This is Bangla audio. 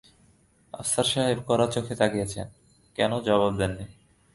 আফসার সাহেব কড়া চোখে তাকিয়েছেন-কোনো জবাব দেন নি।